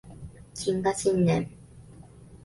謹賀新年